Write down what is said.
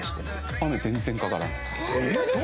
雨全然かからないです。